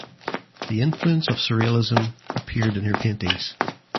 The influence of surrealism appeared in her paintings.